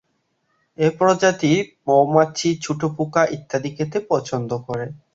এই প্রজাতি মৌমাছি, ছোট পোকা ইত্যাদি খেতে পছন্দ করে।